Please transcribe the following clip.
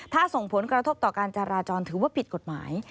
ถ้าส่งผลกระทบต่อการจราจรถือว่าผิดกฎหมาย